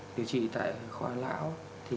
điều trị tại khoa lão